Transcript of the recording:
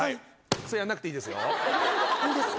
それ、やんなくていいですか？